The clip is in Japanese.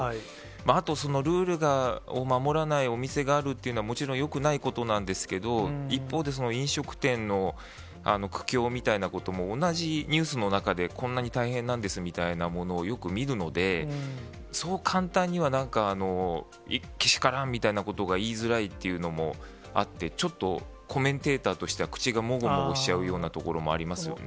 あと、そのルールを守らないお店があるというのは、もちろん、よくないことなんですけど、一方で、飲食店の苦境みたいなことも、同じニュースの中で、こんなに大変なんですみたいなものをよく見るので、そう簡単には、けしからんみたいなことを言いづらいっていうのもあって、ちょっとコメンテーターとしては、口がもごもごしちゃうようなところがありますもんね。